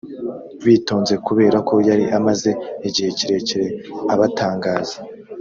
bitonze kubera ko yari amaze igihe kirekire abatangaza